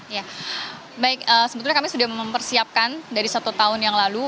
ya baik sebetulnya kami sudah mempersiapkan dari satu tahun yang lalu